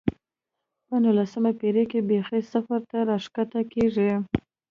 په لسمه پېړۍ کې بېخي صفر ته راښکته کېږي.